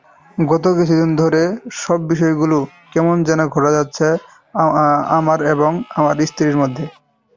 গত কিছুদিন ধরে সববিষয়গুলো কেমন যেন ঘটে যাচ্ছে আমার এবং আমার স্ত্রীর মধ্যে।